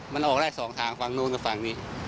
มันออกได้สองทางฝั่งนู้นกับฝั่งนี้